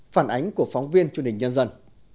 phản ánh của phóng viên chương trình nhân dân